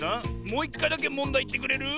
もういっかいだけもんだいいってくれる？